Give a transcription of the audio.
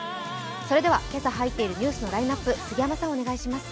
それでは今朝入っているニュースのラインナップ、杉山さん、お願いします。